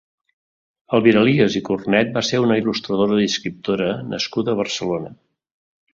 Elviralias i Cornet va ser una il·lustradora i escriptora nascuda a Barcelona.